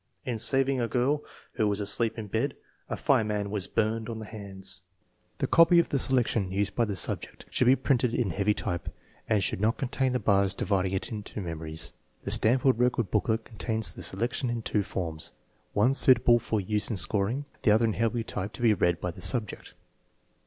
In sav ing a girl, who was asleep in bed, a fireman was burned on the hands. J The copy of the selection used by the subject should be printed in heavy type and should not contain the bars dividing it into memories. The Stanford record booklet contains the selection in two forms, one suitable for use in scoring, the other in heavy type to be read by the subject.